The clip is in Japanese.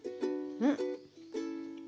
うん。